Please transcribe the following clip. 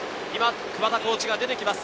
桑田コーチが出てきます。